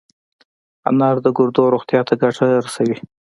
انار د ګردو روغتیا ته ګټه رسوي.